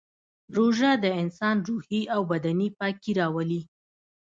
روژه د انسان روحي او بدني پاکي راولي